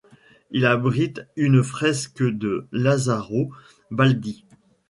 Il abrite une fresque de Lazzaro Baldi.